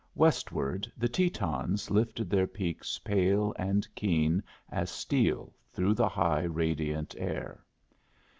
Westward, the Tetons lifted their peaks pale and keen as steel through the high, radiant air.